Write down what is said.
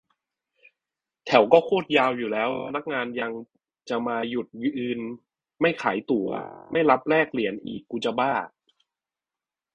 แถวก็โคตรยาวอยู่แล้ว พนักงานยังจะมาหยุดยืนไม่ขายตั๋ว-ไม่รับแลกเหรียญอีก กูจะบ้า